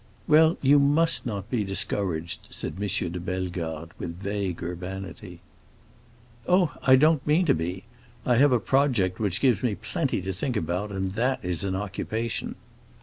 "Well, you must not be discouraged," said M. de Bellegarde, with vague urbanity. "Oh, I don't mean to be. I have a project which gives me plenty to think about, and that is an occupation."